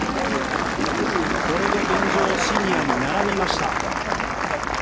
これで現状シニアに並びました。